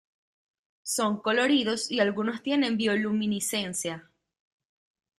Son coloridos y algunos tienen bioluminiscencia.